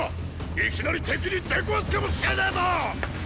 いきなり敵に出くわすかもしれねェぞ！